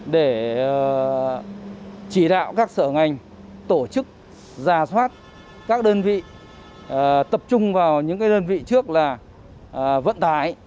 để chỉ đạo các sở ngành tổ chức ra soát các đơn vị tập trung vào những đơn vị trước là vận tải